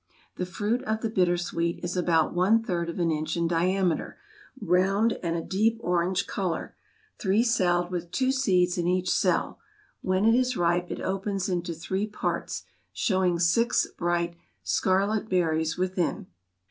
The fruit of the Bittersweet is about one third of an inch in diameter, round and a deep orange color, three celled with two seeds in each cell; when it is ripe, it opens into three parts, showing six bright scarlet berries within.